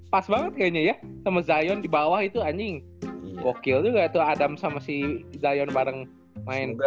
pas banget kayaknya ya sama zayon di bawah itu anjing wakil juga tuh adam sama si zayon bareng main